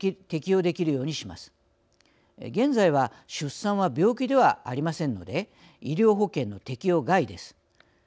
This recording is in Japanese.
現在は出産は病気ではありませんので医療保険の適用外です。